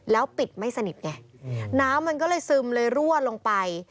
แล้วปิดไม่สนิทไงน้ำมันก็เลยซึมเลยรั่วลงไป